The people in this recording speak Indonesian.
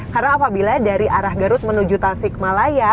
karena apabila dari arah garut menuju tasik malaya